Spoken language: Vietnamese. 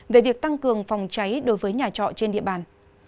về việc tăng cường phòng cháy đối với nhà trọ trên địa bàn